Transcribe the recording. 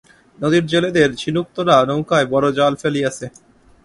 নদীতে জেলেদের ঝিনুক-তোলা নৌকায় বড় জাল ফেলিয়াছে।